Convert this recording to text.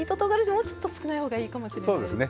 もうちょっと少ないほうがいいかもしれないです。